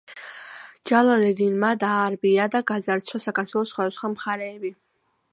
ჯალალედინმა დაარბია და გაძარცვა საქართველოს სხვადასხვა მხარეები.